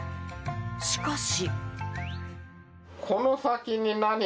しかし。